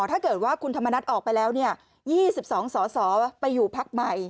ถ้าเกิดว่าคุณธรรมนัฐออกไปแล้ว๒๒สสไปอยู่พักใหม่